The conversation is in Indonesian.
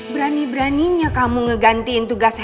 berani beraninya kamu ngegantiin tugas head chef